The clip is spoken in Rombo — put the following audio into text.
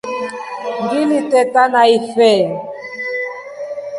Ngili teta na ifee.